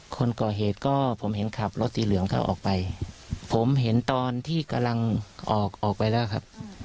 คนก่อเหตุก็ผมเห็นขับรถสีเหลืองเขาออกไปผมเห็นตอนที่กำลังออกออกไปแล้วครับ